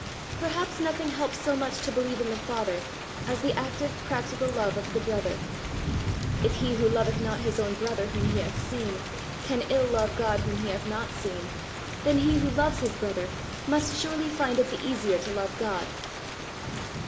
Perhaps nothing helps so much to believe in the Father, as the active practical love of the brother. If he who loveth not his brother whom he hath seen, can ill love God whom he hath not seen, then he who loves his brother must surely find it the easier to love God!